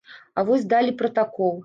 А вось далі пратакол.